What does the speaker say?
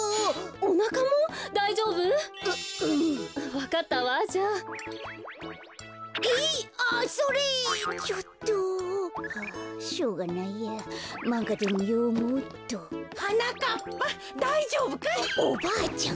おおばあちゃん。